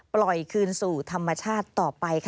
ปล่อยคืนสู่ธรรมชาติต่อไปค่ะ